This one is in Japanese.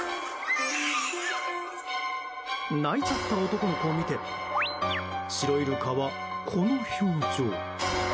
泣いちゃった男の子を見てシロイルカは、この表情。